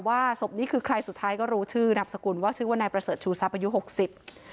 ศพนี้คือใครสุดท้ายก็รู้ชื่อนามสกุลว่าชื่อว่านายประเสริฐชูทรัพย์อายุหกสิบ